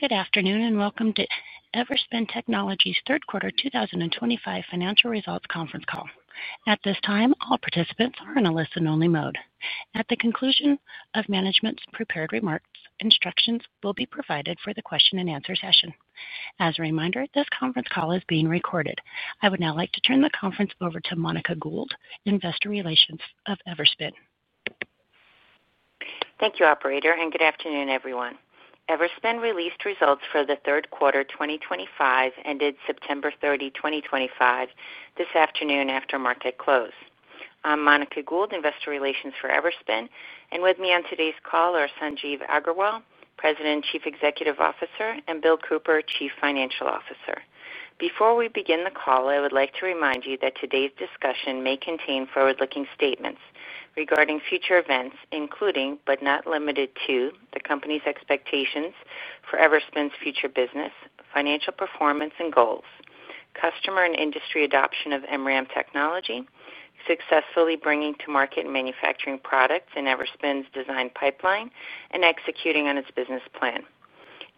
Good afternoon and welcome to Everspin Technologies' third quarter 2025 financial results conference call. At this time, all participants are in a listen-only mode. At the conclusion of management's prepared remarks, instructions will be provided for the question-and-answer session. As a reminder, this conference call is being recorded. I would now like to turn the conference over to Monica Gould, Investor Relations of Everspin. Thank you, Operator, and good afternoon, everyone. Everspin released results for the third quarter 2025 ended September 30, 2025, this afternoon after market close. I'm Monica Gould, Investor Relations for Everspin, and with me on today's call are Sanjeev Aggarwal, President and Chief Executive Officer, and Bill Cooper, Chief Financial Officer. Before we begin the call, I would like to remind you that today's discussion may contain forward-looking statements regarding future events, including, but not limited to, the company's expectations for Everspin's future business, financial performance and goals, customer and industry adoption of MRAM technology, successfully bringing to market manufacturing products in Everspin's design pipeline, and executing on its business plan.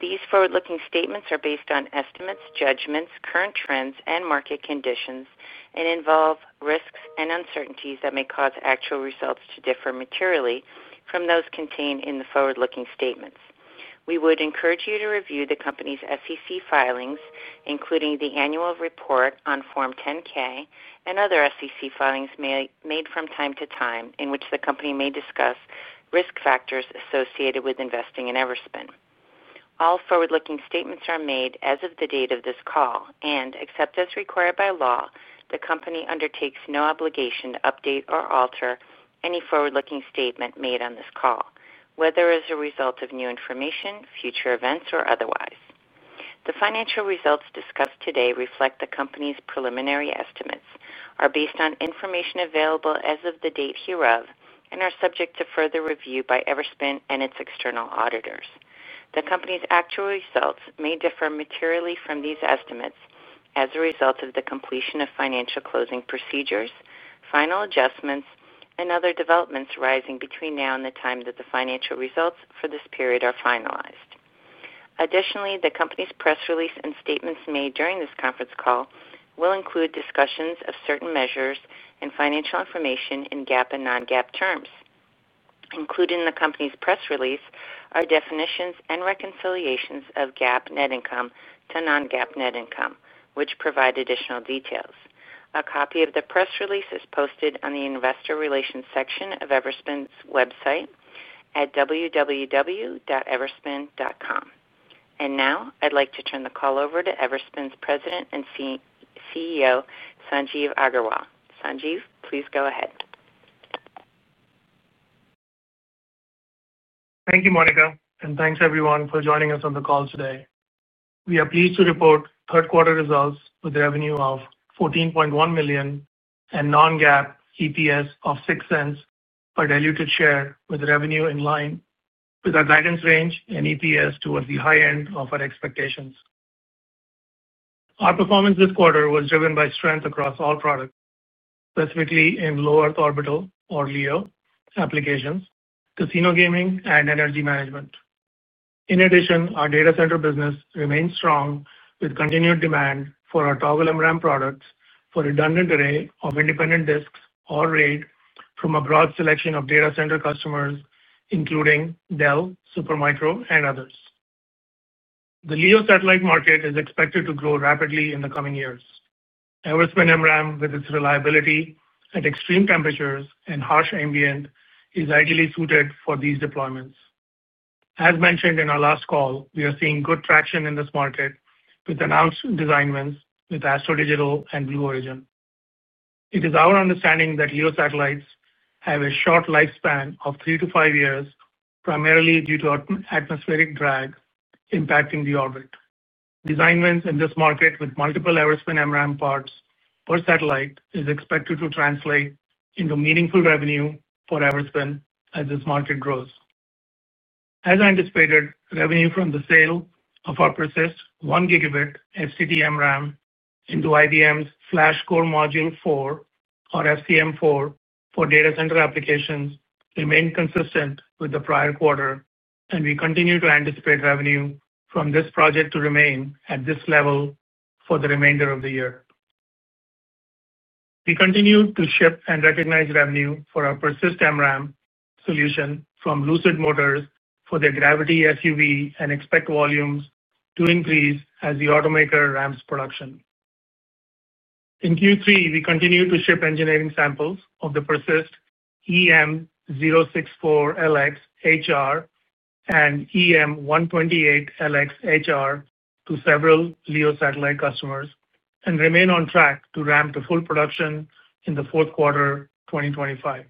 These forward-looking statements are based on estimates, judgments, current trends, and market conditions, and involve risks and uncertainties that may cause actual results to differ materially from those contained in the forward-looking statements. We would encourage you to review the company's SEC filings, including the annual report on Form 10-K and other SEC filings made from time to time, in which the company may discuss risk factors associated with investing in Everspin. All forward-looking statements are made as of the date of this call and, except as required by law, the company undertakes no obligation to update or alter any forward-looking statement made on this call, whether as a result of new information, future events, or otherwise. The financial results discussed today reflect the company's preliminary estimates, are based on information available as of the date hereof, and are subject to further review by Everspin and its external auditors. The company's actual results may differ materially from these estimates as a result of the completion of financial closing procedures, final adjustments, and other developments arising between now and the time that the financial results for this period are finalized. Additionally, the company's press release and statements made during this conference call will include discussions of certain measures and financial information in GAAP and non-GAAP terms. Included in the company's press release are definitions and reconciliations of GAAP net income to non-GAAP net income, which provide additional details. A copy of the press release is posted on the Investor Relations section of Everspin's website at www.everspin.com. I would like to turn the call over to Everspin's President and CEO, Sanjeev Aggarwal. Sanjeev, please go ahead. Thank you, Monica, and thanks, everyone, for joining us on the call today. We are pleased to report third-quarter results with a revenue of $14.1 million and non-GAAP EPS of $0.06 per diluted share, with revenue in line with our guidance range and EPS towards the high end of our expectations. Our performance this quarter was driven by strength across all products, specifically in low-earth orbital, or LEO, applications, casino gaming, and energy management. In addition, our data center business remains strong with continued demand for our toggle MRAM products for redundant array of independent disks or RAID from a broad selection of data center customers, including Dell, Supermicro, and others. The LEO satellite market is expected to grow rapidly in the coming years. Everspin MRAM, with its reliability at extreme temperatures and harsh ambient, is ideally suited for these deployments. As mentioned in our last call, we are seeing good traction in this market with announced design wins with Astro Digital and Blue Origin. It is our understanding that LEO satellites have a short lifespan of three to five years, primarily due to atmospheric drag impacting the orbit. Design wins in this market with multiple Everspin MRAM parts per satellite are expected to translate into meaningful revenue for Everspin as this market grows. As anticipated, revenue from the sale of our persistent 1 Gb STT-MRAM into IBM's Flash Core Module 4, or FCM4, for data center applications remained consistent with the prior quarter, and we continue to anticipate revenue from this project to remain at this level for the remainder of the year. We continue to ship and recognize revenue for our persistent MRAM solution from Lucid Motors for their Gravity SUV and expect volumes to increase as the automaker ramps production. In Q3, we continue to ship engineering samples of the persistent EM064LXHR and EM128LXHR to several LEO satellite customers and remain on track to ramp to full production in the fourth quarter 2025.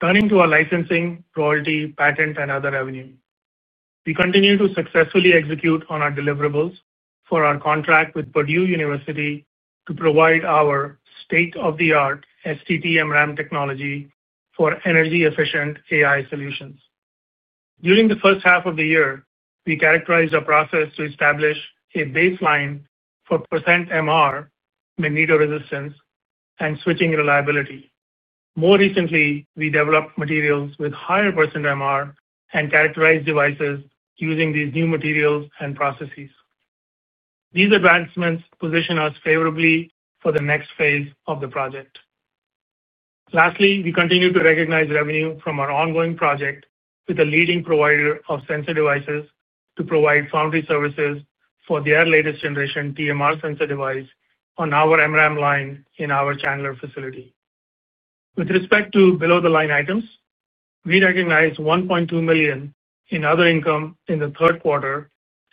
Turning to our licensing, royalty, patent, and other revenue, we continue to successfully execute on our deliverables for our contract with Purdue University to provide our state-of-the-art STT MRAM technology for energy-efficient AI solutions. During the first half of the year, we characterized our process to establish a baseline for percent MR, magnetoresistance, and switching reliability. More recently, we developed materials with higher percent MR and characterized devices using these new materials and processes. These advancements position us favorably for the next phase of the project. Lastly, we continue to recognize revenue from our ongoing project with a leading provider of sensor devices to provide foundry services for their latest generation TMR sensor device on our MRAM line in our Chandler facility. With respect to below-the-line items, we recognize $1.2 million in other income in the third quarter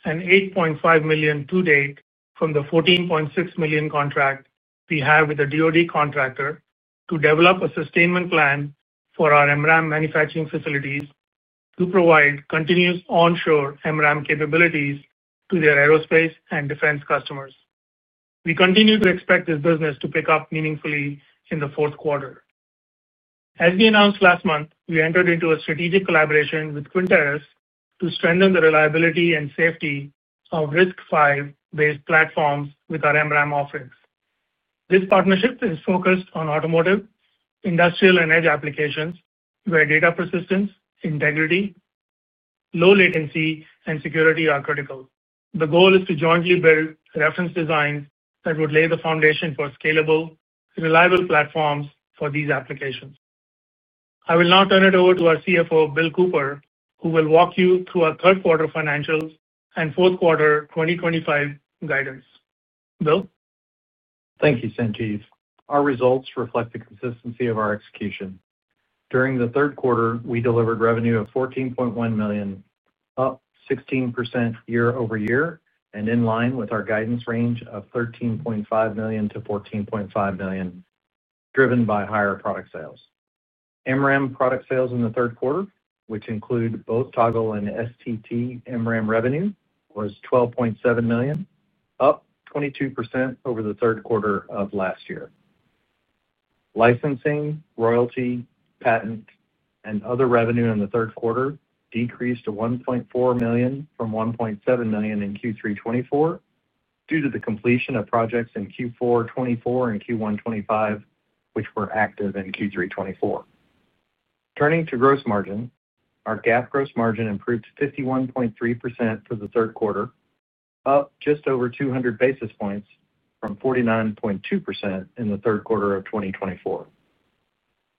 and $8.5 million to date from the $14.6 million contract we have with a DoD contractor to develop a sustainment plan for our MRAM manufacturing facilities to provide continuous onshore MRAM capabilities to their aerospace and defense customers. We continue to expect this business to pick up meaningfully in the fourth quarter. As we announced last month, we entered into a strategic collaboration with Quintaris to strengthen the reliability and safety of RISC-V-based platforms with our MRAM offerings. This partnership is focused on automotive, industrial, and edge applications where data persistence, integrity, low latency, and security are critical. The goal is to jointly build reference designs that would lay the foundation for scalable, reliable platforms for these applications. I will now turn it over to our CFO, Bill Cooper, who will walk you through our third-quarter financials and fourth quarter 2025 guidance. Bill? Thank you, Sanjeev. Our results reflect the consistency of our execution. During the third quarter, we delivered revenue of $14.1 million, up 16% year-over-year and in line with our guidance range of $13.5 million-$14.5 million, driven by higher product sales. MRAM product sales in the third quarter, which include both toggle and STT-MRAM revenue, was $12.7 million, up 22% over the third quarter of last year. Licensing, royalty, patent, and other revenue in the third quarter decreased to $1.4 million from $1.7 million in Q3 2024 due to the completion of projects in Q4 2024 and Q1 2025, which were active in Q3 2024. Turning to gross margin, our GAAP gross margin improved 51.3% for the third quarter, up just over 200 basis points from 49.2% in the third quarter of 2024.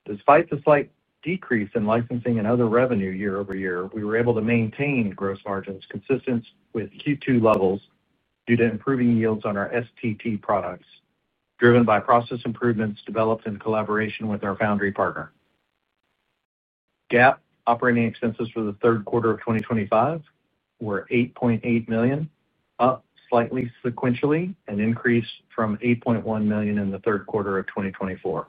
Despite the slight decrease in licensing and other revenue year-over-year, we were able to maintain gross margins consistent with Q2 levels due to improving yields on our STT products, driven by process improvements developed in collaboration with our foundry partner. GAAP operating expenses for the third quarter of 2025 were $8.8 million, up slightly sequentially and increased from $8.1 million in the third quarter of 2024.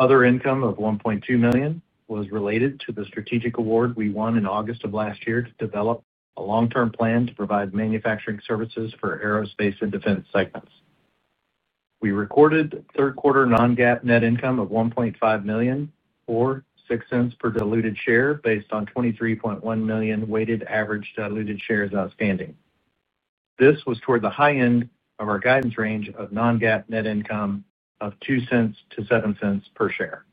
Other income of $1.2 million was related to the strategic award we won in August of last year to develop a long-term plan to provide manufacturing services for aerospace and defense segments. We recorded third-quarter non-GAAP net income of $1.5 million or $0.06 per diluted share based on 23.1 million weighted average diluted shares outstanding. This was toward the high end of our guidance range of non-GAAP net income of $0.02-$0.07 per share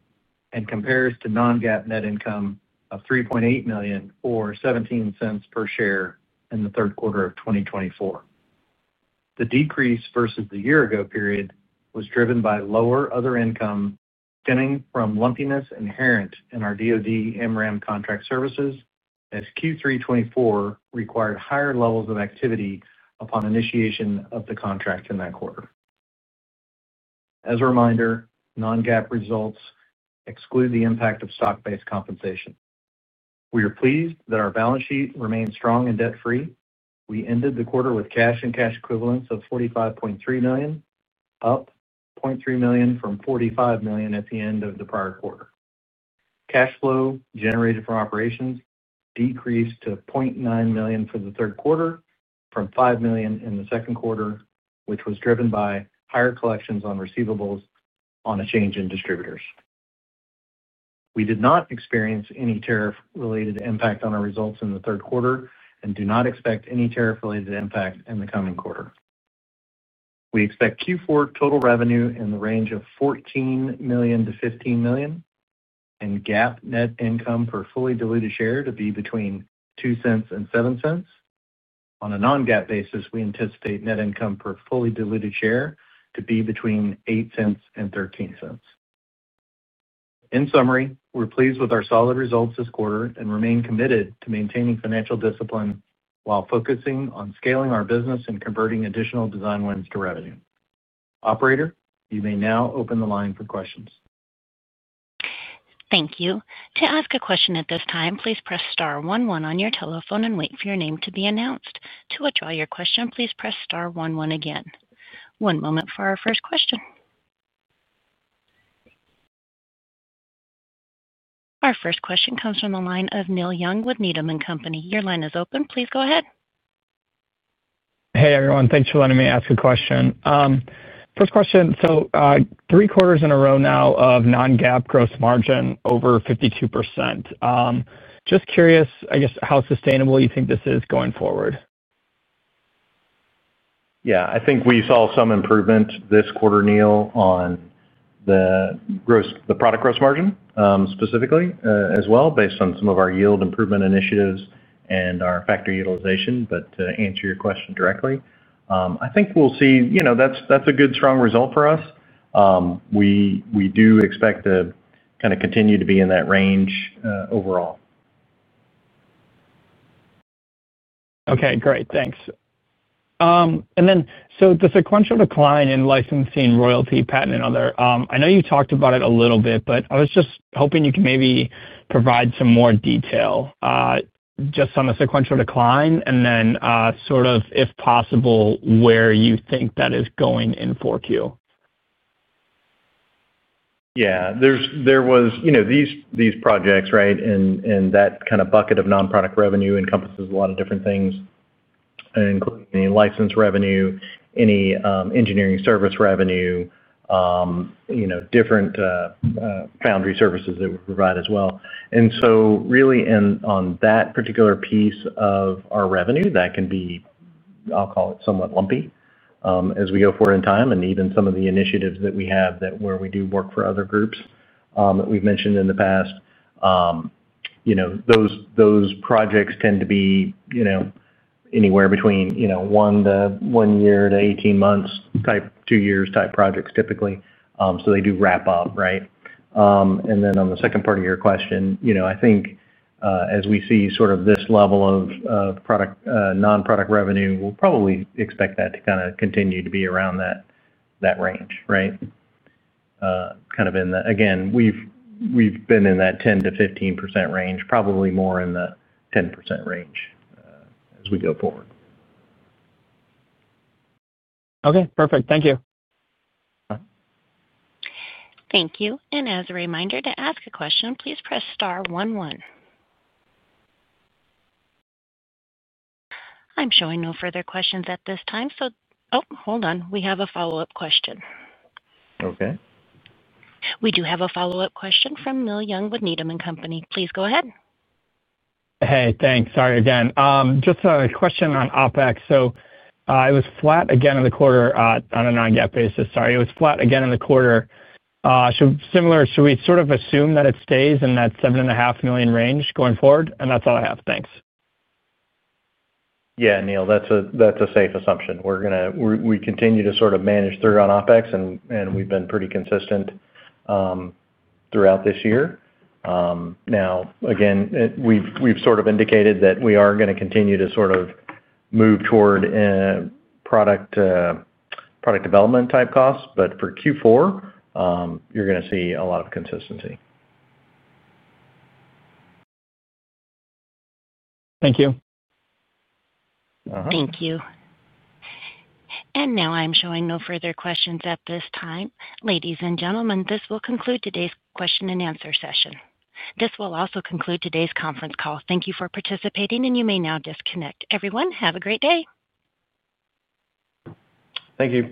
and compares to non-GAAP net income of $3.8 million or $0.17 per share in the third quarter of 2024. The decrease versus the year-ago period was driven by lower other income stemming from lumpiness inherent in our DoD MRAM contract services as Q3 2024 required higher levels of activity upon initiation of the contract in that quarter. As a reminder, non-GAAP results exclude the impact of stock-based compensation. We are pleased that our balance sheet remained strong and debt-free. We ended the quarter with cash and cash equivalents of $45.3 million, up $0.3 million from $45 million at the end of the prior quarter. Cash flow generated from operations decreased to $0.9 million for the third quarter from $5 million in the second quarter, which was driven by higher collections on receivables on a change in distributors. We did not experience any tariff-related impact on our results in the third quarter and do not expect any tariff-related impact in the coming quarter. We expect Q4 total revenue in the range of $14 million-$15 million. GAAP net income per fully diluted share is expected to be between $0.02 and $0.07. On a non-GAAP basis, we anticipate net income per fully diluted share to be between $0.08 and $0.13. In summary, we're pleased with our solid results this quarter and remain committed to maintaining financial discipline while focusing on scaling our business and converting additional design wins to revenue. Operator, you may now open the line for questions. Thank you. To ask a question at this time, please press star one one on your telephone and wait for your name to be announced. To withdraw your question, please press star one one again. One moment for our first question. Our first question comes from the line of Neil Young with Needham & Company. Your line is open. Please go ahead. Hey, everyone. Thanks for letting me ask a question. First question, so three quarters in a row now of non-GAAP gross margin over 52%. Just curious, I guess, how sustainable you think this is going forward? Yeah. I think we saw some improvement this quarter, Neil, on the product gross margin specifically as well, based on some of our yield improvement initiatives and our factory utilization. To answer your question directly, I think we'll see that's a good, strong result for us. We do expect to kind of continue to be in that range overall. Okay. Great. Thanks. And then, the sequential decline in licensing, royalty, patent, and other, I know you talked about it a little bit, but I was just hoping you could maybe provide some more detail. Just on the sequential decline and then sort of, if possible, where you think that is going in 4Q. Yeah. There were these projects, right? And that kind of bucket of nonproduct revenue encompasses a lot of different things, including any license revenue, any engineering service revenue, different foundry services that we provide as well. Really, on that particular piece of our revenue, that can be, I'll call it, somewhat lumpy as we go forward in time. Even some of the initiatives that we have where we do work for other groups that we've mentioned in the past, those projects tend to be anywhere between one year to 18 months type, two-years type projects typically. They do wrap up, right? On the second part of your question, I think as we see sort of this level of nonproduct revenue, we'll probably expect that to kind of continue to be around that range, right? Kind of in the, again, we've been in that 10%-15% range, probably more in the 10% range as we go forward. Okay. Perfect. Thank you. Thank you. As a reminder to ask a question, please press star one one. I'm showing no further questions at this time. Oh, hold on. We have a follow-up question. Okay. We do have a follow-up question from Neil Young with Needham & Company. Please go ahead. Hey, thanks. Sorry again. Just a question on OpEx. It was flat again in the quarter on a non-GAAP basis. It was flat again in the quarter. Should we sort of assume that it stays in that $7.5 million range going forward? That's all I have. Thanks. Yeah, Neil, that's a safe assumption. We continue to sort of manage through on OpEx, and we've been pretty consistent throughout this year. Now, again, we've sort of indicated that we are going to continue to sort of move toward product development type costs. For Q4, you're going to see a lot of consistency. Thank you. Thank you. I am showing no further questions at this time. Ladies and gentlemen, this will conclude today's question and answer session. This will also conclude today's conference call. Thank you for participating, and you may now disconnect. Everyone, have a great day. Thank you.